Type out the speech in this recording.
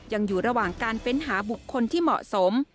ยังอยู่ระหว่างการเฟ้นหาบุคคลที่เหมาะสม